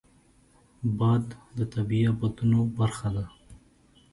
باد د طبیعي افتونو برخه ده